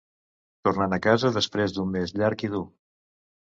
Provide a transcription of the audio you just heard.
Tornant a casa després d'un mes llarg i dur.